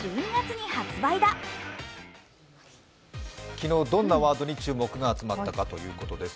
昨日、どんなワードに注目が集まったかということです。